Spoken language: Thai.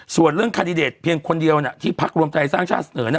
ส่วนเรื่องคาดิเดตเพียงคนเดียวที่พักรวมไทยสร้างชาติเสนอ